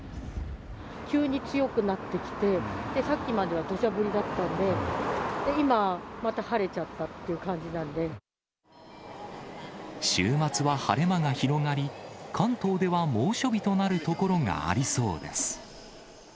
急に強くなってきて、さっきまではどしゃ降りだったんで、今、また晴れちゃったってい週末は晴れ間が広がり、関東では猛暑日となる所がありそうです。